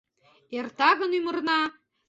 Эрта гын ӱмырна